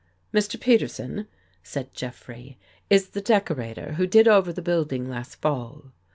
" Mr. Peterson," said Jeffrey, " is the decorator who did over the building last Fall."